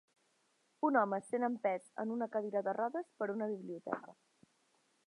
Un home sent empès en una cadira de rodes per una biblioteca.